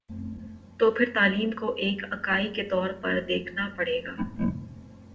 تو پھر تعلیم کو ایک اکائی کے طور پر دیکھنا پڑے گا۔